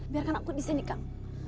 biarkan aku disini kak